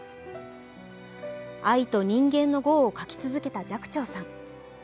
愛と人間の業を書き続けた寂聴さん。